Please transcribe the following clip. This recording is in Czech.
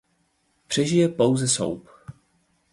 Přežije pouze Soap.